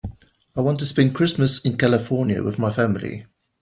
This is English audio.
I want to spend Christmas in California with my family.